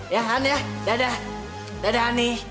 ya han ya dadah dadah hani